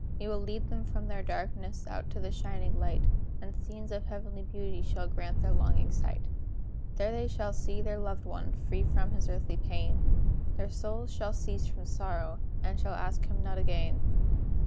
"We will lead them from their darkness Out to the shining light, And scenes of heavenly beauty Shall greet their longing sight. There shall they see their loved one, Free from his earthly pain; Their souls shall cease from sorrow, And shall ask him not again.